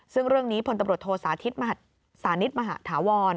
ซึ่งเรื่องนี้พลตำรวจโทษาธิตสานิทมหาธาวร